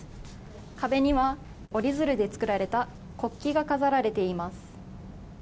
壁には折り鶴で作られた国旗が飾られています。